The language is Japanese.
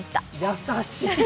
優しい。